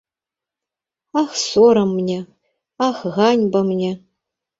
Ах, сорам мне, ах, ганьба мне!